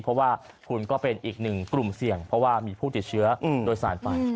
เพราะว่าคุณก็เป็นอีกหนึ่งกลุ่มเสี่ยงเพราะว่ามีผู้ติดเชื้อโดยสารไป